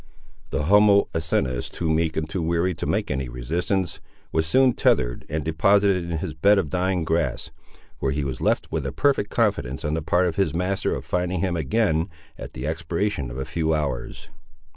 The humble Asinus, too meek and too weary to make any resistance, was soon tethered and deposited in his bed of dying grass, where he was left with a perfect confidence on the part of his master of finding him, again, at the expiration of a few hours.